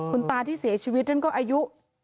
คุณตาที่เสียชีวิตท่านก็อายุ